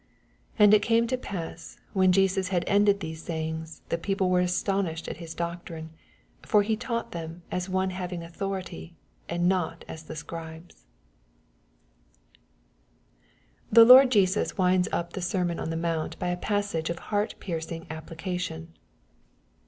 28 And it came to pass, when Jesug had ended these sajj^m^s, the people were astonished at his doctrine : 29 For he taught them as one hav ing authority, and not as the Scribes* The Lord Jesus winds up the sermon on the mount by a passage of heart piercing application.